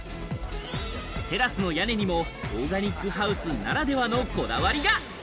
テラスの屋根にもオーガニックハウスならではのこだわりが。